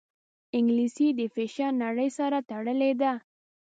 انګلیسي د فیشن نړۍ سره تړلې ده